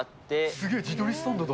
すげー、自撮りスタンドだ。